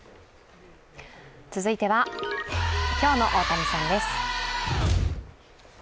続いては、今日の大谷さんです。